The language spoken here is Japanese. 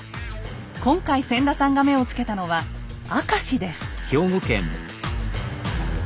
今回千田さんが目をつけたのは明石です。